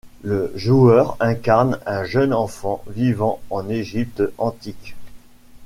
Le joueur incarne un jeune enfant vivant en Égypte antique.